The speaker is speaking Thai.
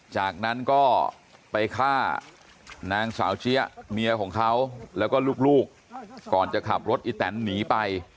จากนั้นก็ไปฆ่านางสาวเจี๊ยะเมียของเขาแล้วก็ลูกก่อนจะขับรถอีแตนหนีไป